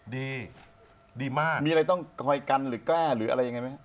ดีดีมากมีอะไรต้องคอยกันหรือกล้ากักอย่างไรไหม